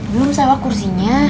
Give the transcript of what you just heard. belum sewa kursinya